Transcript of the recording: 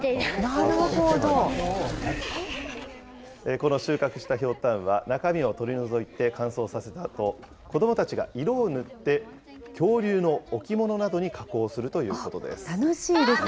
この収穫したひょうたんは、中身を取り除いて乾燥させたあと、子どもたちが色を塗って、恐竜の置物などに加工するということです。